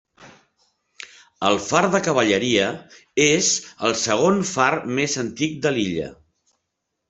El far de Cavalleria és el segon far més antic de l'illa.